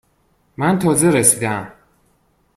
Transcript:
من تازه رسیده ام.